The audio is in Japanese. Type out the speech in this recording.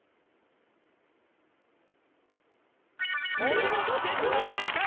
お見事刹那正解！